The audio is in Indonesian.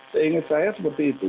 seingat saya seperti itu